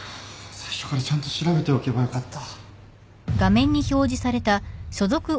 最初からちゃんと調べておけばよかった。